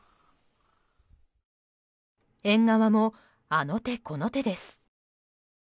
縁側も、あの手この手です。